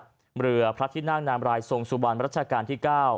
เรือพระที่นั่งนามรายทรงสุบันรัชกาลที่๙